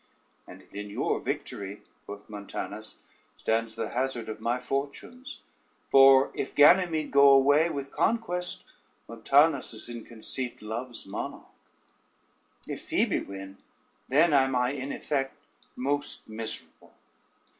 "And in your victory," quoth Montanus, "stands the hazard of my fortunes; for if Ganymede go away with conquest, Montanus is in conceit love's monarch; if Phoebe win, then am I in effect most miserable."